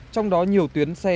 trong đó nhiều tuyến xe